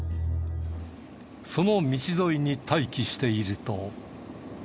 その道沿いに待機していると。